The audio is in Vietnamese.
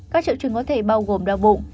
các triệu chứng có thể bao gồm đau bụng